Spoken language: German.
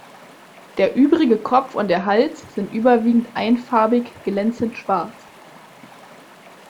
Der übrige Kopf und der Hals sind überwiegend einfarbig glänzend schwarz.